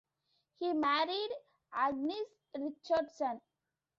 He married Agnes Richardson.